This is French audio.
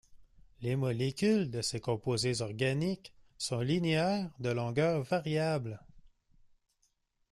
Les molécules de ces composés organiques sont linéaires de longueur variable.